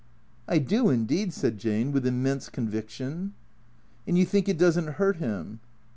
"" I do indeed," said Jane, with immense conviction. " And you think it does n't hurt him